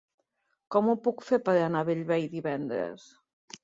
Com ho puc fer per anar a Bellvei divendres?